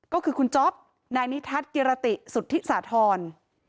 ก็คือคุณจ๊อปนายนิทัศน์กิรติสุธิสาธร